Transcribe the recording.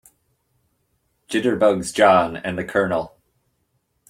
Jitterbugs JOHN and the COLONEL.